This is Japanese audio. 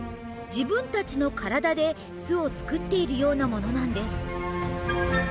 自分たちの体で巣を作っているようなものなんです。